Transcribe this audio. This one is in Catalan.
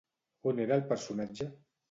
On era el personatge?